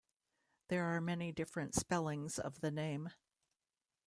There are many different spellings of the name.